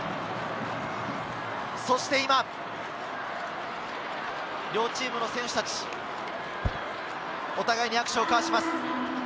そして今、両チームの選手達、お互いに握手を交わします。